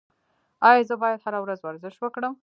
ایا زه باید هره ورځ ورزش وکړم؟